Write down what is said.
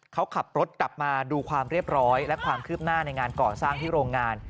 เขาขับรถกลับมาดูความเรียบร้อยและความคืบหน้าในงานก่อสร้างที่โรงงาน